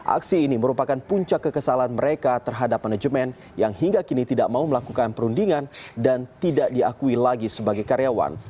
aksi ini merupakan puncak kekesalan mereka terhadap manajemen yang hingga kini tidak mau melakukan perundingan dan tidak diakui lagi sebagai karyawan